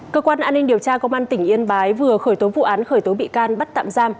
cơ quan an ninh điều tra công an tỉnh yên bái vừa khởi tố vụ án khởi tố bị can bắt tạm giam